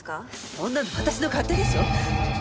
そんなの私の勝手でしょ！